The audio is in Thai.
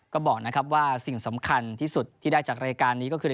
ก็บอกนะครับว่าสิ่งสำคัญที่สุดที่ได้จากรายการนี้ก็คือ